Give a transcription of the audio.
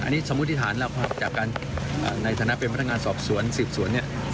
อันนี้สมมุติฐานแล้วครับจากการในฐานะเป็นพนักงานสอบสวนสืบสวนเนี่ย